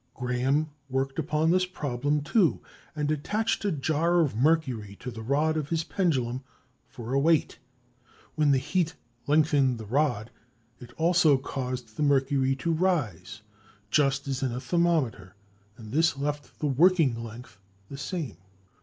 Graham worked upon this problem, too, and attached a jar of mercury to the rod of his pendulum for a weight. When the heat lengthened the rod, it also caused the mercury to rise, just as in a thermometer, and this left the "working length" the same.